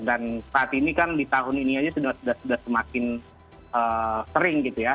dan saat ini kan di tahun ini aja sudah semakin sering gitu ya